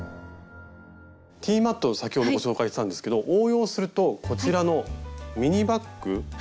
ティーマットを先ほどご紹介したんですけど応用するとこちらのミニバッグ。